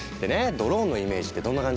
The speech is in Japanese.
ドローンのイメージってどんな感じ？